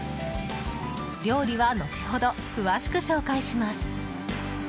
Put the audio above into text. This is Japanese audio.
料理は後ほど詳しく紹介します。